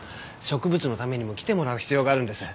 植物のためにも来てもらう必要があるんです。